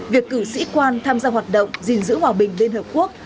việc cử sĩ quan tham gia hoạt động gìn giữ hòa bình liên hợp quốc